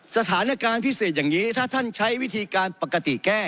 สถานการณ์พิเศษอย่างนี้ถ้าท่านใช้วิธีการปกติแก้